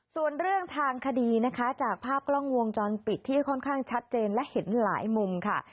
ส่วนเรื่องทางคดีนะคะจากภาพกล้องวงจรปิดที่ค่อนข้างชัดเจนและเห็นหลายมุมค่ะ